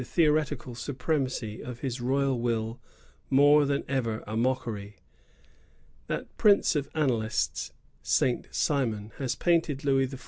ilieoretical supremacy of his royal will more than ever a mockery. That prince of annalists, Saint Simon, has painted Louis XIY.